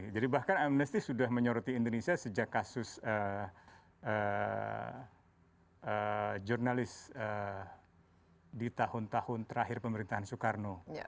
jadi bahkan amnesty sudah menyoroti indonesia sejak kasus jurnalis di tahun tahun terakhir pemerintahan soekarno